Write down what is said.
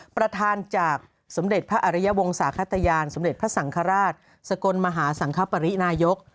ประธานจากสมเด็จพระอริยวงศาขตยานสมเด็จพระสังฆราชสกลมหาสังคปรินายก